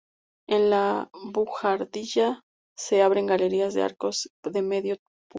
En la buhardilla se abren galerías de arcos de medio punto.